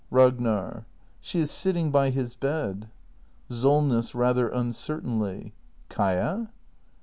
Ragnar. S h e is sitting by his bed. Solness. [Rather uncertainly.] Kaia